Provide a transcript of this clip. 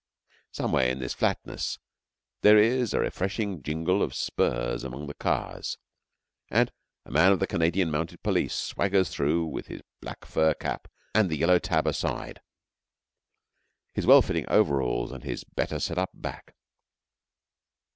Somewhere in this flatness there is a refreshing jingle of spurs along the cars, and a man of the Canadian Mounted Police swaggers through with his black fur cap and the yellow tab aside, his well fitting overalls and his better set up back.